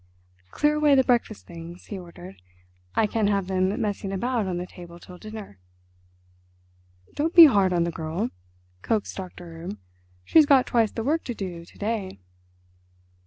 "Clear away the breakfast things," he ordered. "I can't have them messing about on the table till dinner!" "Don't be hard on the girl," coaxed Doctor Erb. "She's got twice the work to do to day."